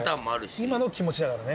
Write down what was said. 今の気持ちだからね。